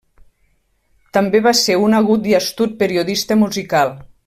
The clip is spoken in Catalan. També va ser un agut i astut periodista musical.